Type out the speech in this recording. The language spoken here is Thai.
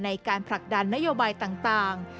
ในการผลักดันนโยบายต่าง